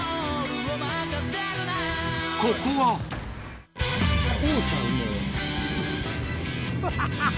ここはアハハ！